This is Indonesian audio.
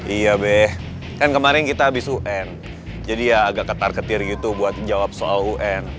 iya beh kan kemarin kita habis un jadi ya agak ketar ketir gitu buat jawab soal un